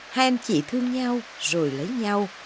hai anh chị thương nhau rồi lấy nhau